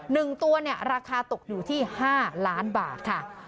หนึ่งตัวเนี่ยราคาตกอยู่ที่ห้าล้านบาทค่ะ